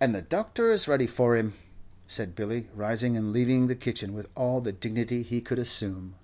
"And the doctor is ready for him," said Billy, rising and leaving the kitchen with all the dignity he could assume.